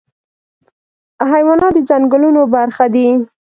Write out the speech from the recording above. حیوانات د ځنګلونو برخه دي.